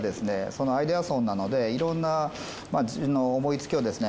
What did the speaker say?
そのアイデアソンなのでいろんな思いつきをですね